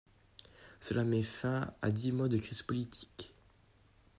Cela met fin à dix mois de crise politique.